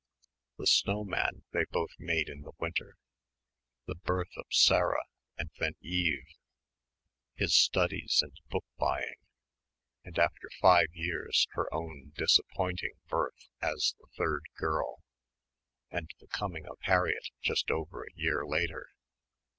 The snow man they both made in the winter the birth of Sarah and then Eve ... his studies and book buying and after five years her own disappointing birth as the third girl, and the coming of Harriett just over a year later